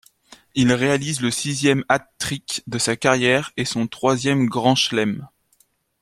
Il réalise le sixième hat-trick de sa carrière et son troisième grand chelem.